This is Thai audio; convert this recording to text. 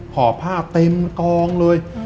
ห่อผ้าเต็มกองเลย